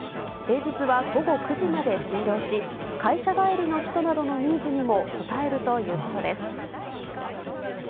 平日は午後９時まで診療し、会社帰りの人などのニーズにも応えるということです。